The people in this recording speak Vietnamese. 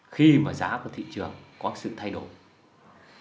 khi mà giá của thị trường có sự thay đổi